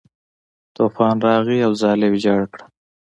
طوفان راغی او ځاله یې ویجاړه کړه.